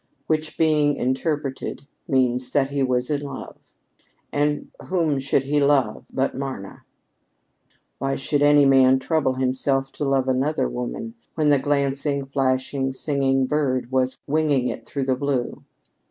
Which being interpreted, means that he was in love. And whom should he love but Marna? Why should any man trouble himself to love another woman when this glancing, flashing, singing bird was winging it through the blue?